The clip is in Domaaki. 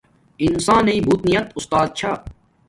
انسانݵ بونیات اُستات چھا